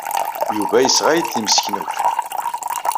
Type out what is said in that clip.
Yuba yesɣa-iyi-d timseknewt.